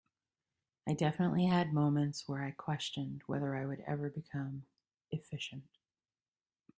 I definitely had moments where I questioned whether I would ever become efficient.